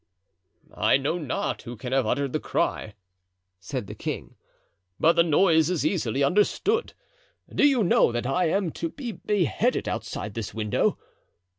"I know not who can have uttered the cry," said the king, "but the noise is easily understood. Do you know that I am to be beheaded outside this window?